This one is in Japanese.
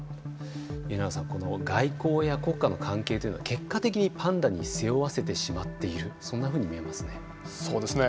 家永さん、外交や国家の関係というのは結果的にパンダに背負わせてしまっているそうですね。